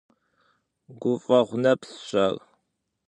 Гуфӏэгъу нэпсщ ар.